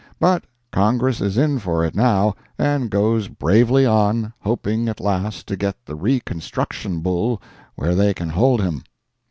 But Congress is in for it, now, and goes bravely on, hoping at last to get the reconstruction bull where they can hold him.